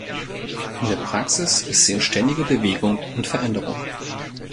In der Praxis ist sie in ständiger Bewegung und Veränderung.